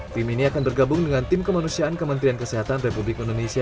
tim ini akan bergabung dengan tim kemanusiaan kementerian kesehatan republik indonesia